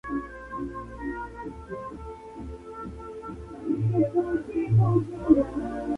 Estudió Bellas Artes en la Universidad de Minnesota antes de marcharse a París.